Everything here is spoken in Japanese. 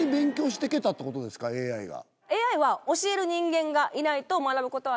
ＡＩが。